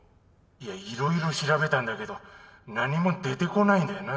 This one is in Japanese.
「いやいろいろ調べたんだけど何も出てこないんだよな」